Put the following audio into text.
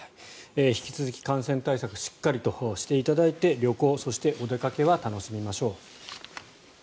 引き続き感染対策をしっかりとしていただいて旅行、そしてお出かけは楽しみましょう。